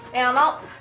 re gak mau